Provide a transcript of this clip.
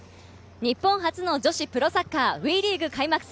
日本初の女子プロサッカー・ＷＥリーグ開幕戦。